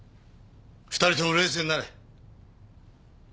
二人とも冷静になれ。